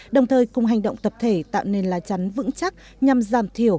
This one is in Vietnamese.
đồng thời cùng hành động tập thể tạo nên lá chắn vững chắc nhằm giảm thiểu